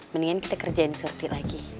mendingan kita kerjain surpy lagi